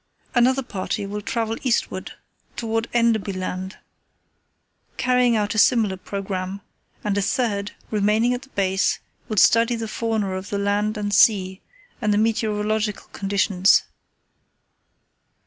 "Another party will travel eastward toward Enderby Land, carrying out a similar programme, and a third, remaining at the base, will study the fauna of the land and sea, and the meteorological conditions.